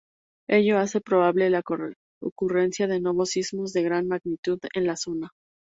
Ello hace probable la ocurrencia de nuevos sismos de gran magnitud en la zona.